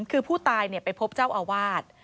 คือผู้ตายไปพบเจ้าอาวาส